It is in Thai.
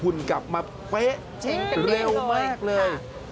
คุณกลับมาเป๊ะเร็วมากเลย